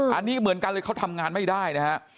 อันนี้เหมือนกันเลยเขาทำงานไม่ได้นะฮะ